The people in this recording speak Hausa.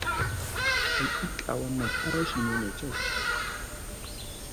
Hakika wannan farashi ne mai kyau.